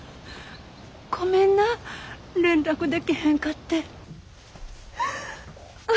ごめんな連絡でけへんかって。